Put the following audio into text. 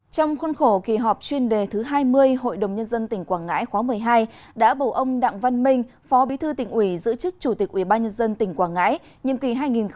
trong khuôn khổ kỳ họp chuyên đề thứ hai mươi hội đồng nhân dân tỉnh quảng ngãi khóa một mươi hai đã bầu ông đặng văn minh phó bí thư tỉnh ủy giữ chức chủ tịch ubnd tỉnh quảng ngãi nhiệm kỳ hai nghìn một mươi sáu hai nghìn hai mươi một